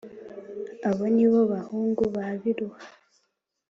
Abo ni bo bahungu ba Biluha